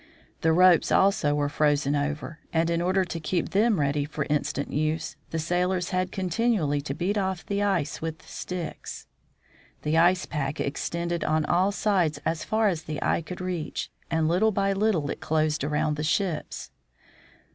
The ropes also were frozen over, and in order to keep them ready for instant use, the sailors had continually to beat off the ice with sticks. The ice pack extended on all sides as far as the eye could reach, and little by little it closed around the ships.